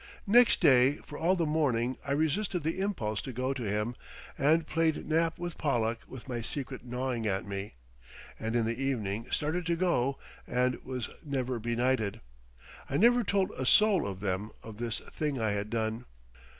Next day for all the morning I resisted the impulse to go to him, and played nap with Pollack with my secret gnawing at me, and in the evening started to go and was near benighted. I never told a soul of them of this thing I had done.